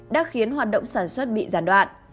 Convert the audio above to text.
đã khiến hoạt động sản xuất bị gián đoạn